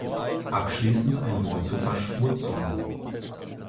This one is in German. Abschließend ein Wort zur Verschmutzung.